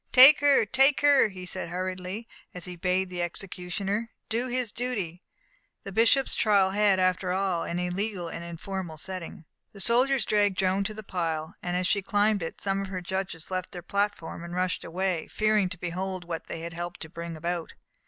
"Take her! take her!" he said, hurriedly, and he bade the executioner "do his duty." The bishop's trial had, after all, an illegal and informal ending. The soldiers dragged Joan to the pile, and as she climbed it, some of her judges left their platform and rushed away, fearing to behold what they had helped to bring about.